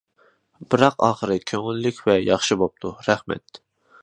بىراق ئاخىرى كۆڭۈللۈك ۋە ياخشى بوپتۇ، رەھمەت!